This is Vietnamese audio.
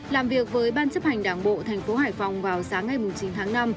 làm việc với ban chấp hành đảng bộ tp hải phòng vào sáng ngày chín tháng năm